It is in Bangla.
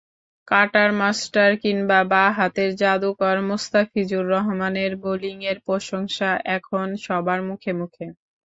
কাটার মাস্টার কিংবা বাঁ-হাতের জাদুকর মুস্তাফিজুর রহমানের বোলিংয়ের প্রশংসা এখন সবার মুখে মুখে।